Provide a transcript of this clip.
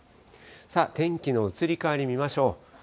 さあ、天気の移り変わり見ましょう。